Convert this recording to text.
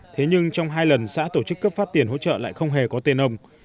thế nhưng trong hai lần xã tổ chức cấp phát tiền hỗ trợ lại không hề có tên ông